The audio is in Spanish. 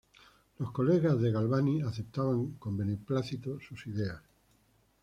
Los colegas de Galvani aceptaban con beneplácito sus ideas.